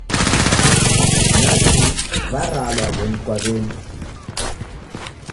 Nachi w'aralwa w'eni kwa w'eni.